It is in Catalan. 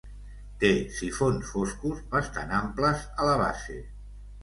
Té sifons foscos, bastant amples a la base.